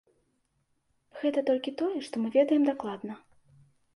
Гэта толькі тое, што мы ведаем дакладна.